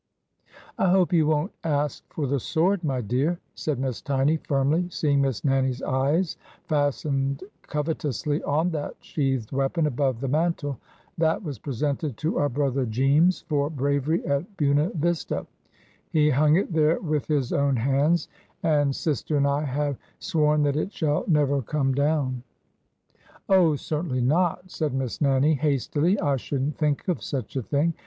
'' I hope you won't ask for the sword, my dear," said Miss Tiny, firmly, seeing Miss Nannie's eyes fastened covetously on that sheathed weapon above the mantel. '' That was presented to our brother Jeems for bravery at Buena Vista. He hung it there with his own hands, and sister and I have sworn that it shall never come down." Oh, certainly not," said Miss Nannie, hastily. I should n't think of such a thing.